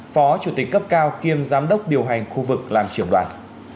phó chủ tịch cấp cao kiêm giám đốc điều hành khu vực làm trưởng đoàn